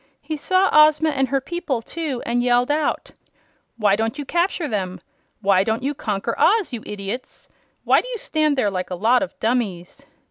He saw Ozma and her people, too, and yelled out: "Why don't you capture them? Why don't you conquer Oz, you idiots? Why do you stand there like a lot of dummies?"